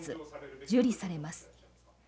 受理されます。